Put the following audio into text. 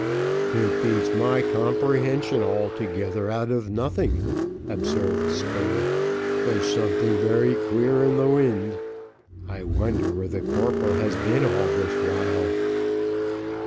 "It beats my comprehension altogether out of nothing," observed Spurey. "There's something very queer in the wind. I wonder where the corporal has been all this while."